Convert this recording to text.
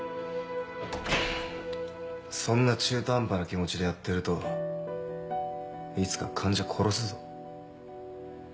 そんな中途半端な気持ちでやってるといつか患者殺すぞ。